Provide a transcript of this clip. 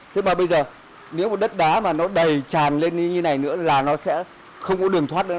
thế mà bây giờ nếu một đất đá mà nó đầy tràn lên như này nữa là nó sẽ không có đường thoát nữa